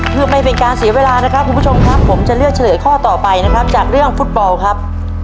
เพื่อไม่เป็นการเสียเวลานะครับคุณผู้ชมครับผมจะเลือกเฉลยข้อต่อไปนะครับจากเรื่องฟุตบอลครับ